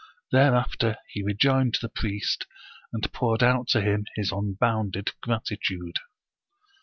Thereafter he rejoined the priest, and poured out to him his unbounded gratitude.